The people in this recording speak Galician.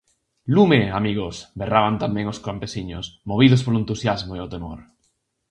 -Lume, amigos! -berraban tamén os campesiños, movidos polo entusiasmo e o temor.